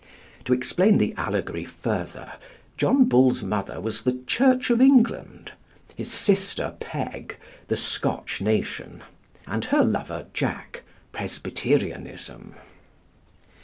To explain the allegory further, John Bull's mother was the Church of England; his sister Peg, the Scotch nation; and her lover Jack, Presbyterianism.